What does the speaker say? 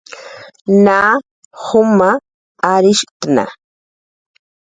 Na juma arishktna